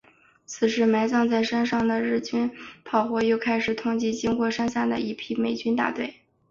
此时埋藏在山上的日军炮火又开始痛击经过山下的一批美军大队。